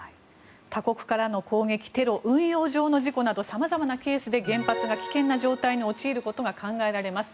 他国からの攻撃、テロ運用上の事故などさまざまな要因で原発が危険な状態に陥ることが考えられます。